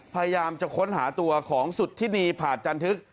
พยายามจะค้นหาตัวของสุธินีผาดจันทึก